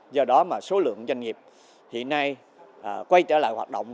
do đó mà số lượng doanh nghiệp hiện nay quay trở lại hoạt động